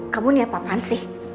kamu niat apa apaan sih